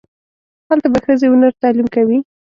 هلته به ښځې و نر تعلیم کوي.